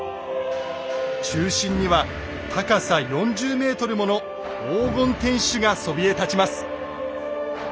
中心には高さ４０ｍもの黄金天守がそびえ立ちます。